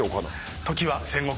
時は戦国。